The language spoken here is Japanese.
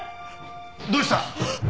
どうした？